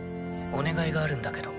お願いがあるんだけど。